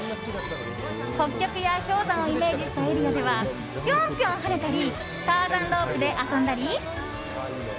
北極や氷山をイメージしたエリアではぴょんぴょん跳ねたりターザンロープで遊んだり。